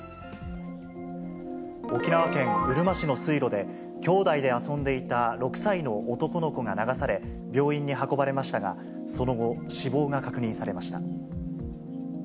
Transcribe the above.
沖縄県うるま市の水路で、兄弟で遊んでいた６歳の男の子が流され、病院に運ばれましたが、その後、死亡が確認されました。